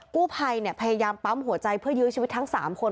กู้ภัยพยายามปั๊มหัวใจเพื่อยื้อชีวิตทั้ง๓คน